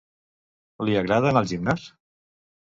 Li agrada anar al gimnàs?